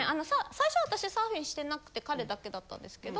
最初は私サーフィンしてなくて彼だけだったんですけど。